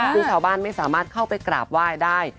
ซึ่งชาวบ้านไม่สามารถเข้าไปกราบไหว้ได้